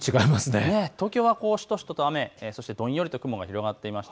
東京はしとしとと雨、どんよりと雲が広がっていました。